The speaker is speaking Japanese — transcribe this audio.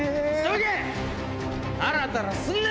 タラタラすんな！